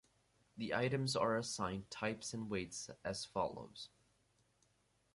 The items are assigned types and weights as follows.